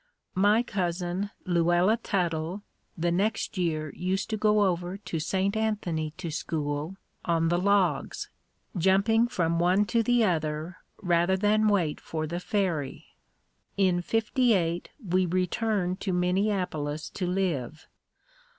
My cousin Luella Tuttle, the next year used to go over to St. Anthony to school, on the logs, jumping from one to the other, rather than wait for the ferry. In '58 we returned to Minneapolis to live.